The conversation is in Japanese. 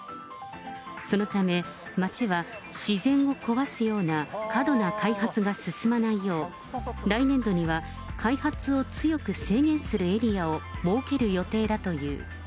そのため、町は自然を壊すような過度な開発が進まないよう、来年度には開発を強く制限するエリアを設ける予定だという。